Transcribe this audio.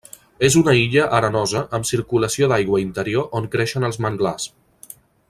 És una illa arenosa amb circulació d'aigua interior on creixen els manglars.